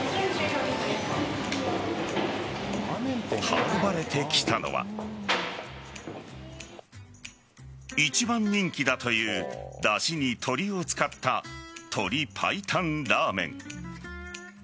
運ばれてきたのは一番人気だというだしに鶏を使った鶏白湯ラーメン。